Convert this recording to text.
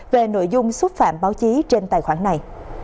về nội dung xúc phạm báo chí trên tài khoản này